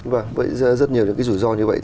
vậy rất nhiều những cái rủi ro như vậy